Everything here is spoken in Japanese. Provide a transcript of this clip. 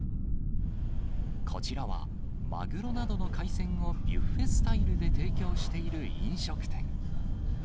こちらは、マグロなどの海鮮をビュッフェスタイルで提供している飲食店。